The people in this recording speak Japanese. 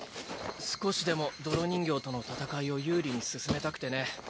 少しでも泥人形との戦いを有利に進めたくてね。